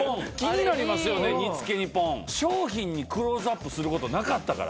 商品にクローズアップすることなかったから。